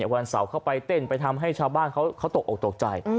วันเสาร์เข้าไปเต้นไปทำให้ชาวบ้านเขาตกออกตกใจ